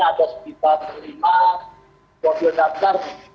ada sekitar lima mobil dasar